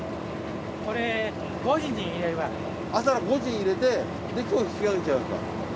朝の５時に入れて今日引きあげちゃうんだ。